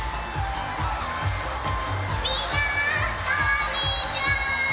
みんなこんにちは！